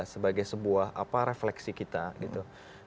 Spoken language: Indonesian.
sebagai sebuah refleksi kita gitu